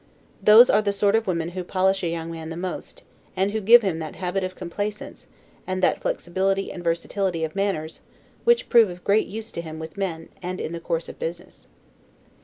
Those are the sort of women who polish a young man the most, and who give him that habit of complaisance, and that flexibility and versatility of manners which prove of great use to him with men, and in the course of business.